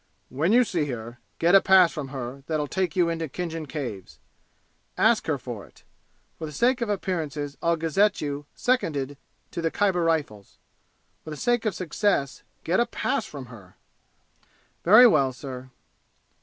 "When you see her, get a pass from her that'll take you into Khinjan Caves! Ask her for it! For the sake of appearances I'll gazette you Seconded to the Khyber Rifles. For the sake of success, get a pass from her!" "Very well, sir."